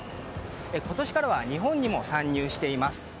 今年からは日本にも参入しています。